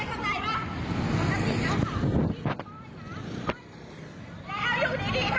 กลับมาเล่าให้ฟังครับ